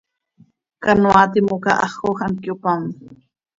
Canoaa timoca haxoj hant cöyopám.